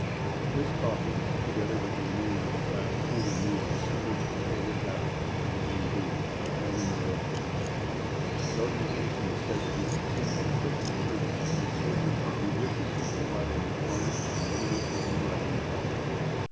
This coffee, together with the remains of his last frugal meal, serves to stay his appetite for the time being, nolens volens. The organization is said to be complete and fit for service when the soldiers are judiciously provided with arms, ammunition, and riding horses.